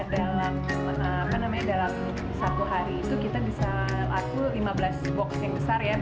dalam apa namanya dalam satu hari itu kita bisa aku lima belas box yang besar ya